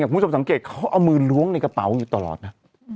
คุณผู้ชมสังเกตเขาเอามือล้วงในกระเป๋าอยู่ตลอดนะ